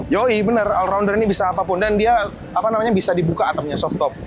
yoi bener all rounder ini bisa apapun dan dia bisa dibuka atapnya soft top